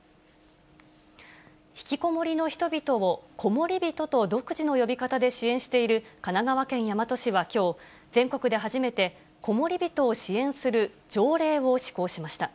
ひきこもりの人々をこもりびとと独自の呼び方で支援している神奈川県大和市はきょう、全国で初めてこもりびとを支援する条例を施行しました。